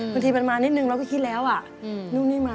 บางทีมันมานิดนึงเราก็คิดแล้วนู่นนี่มา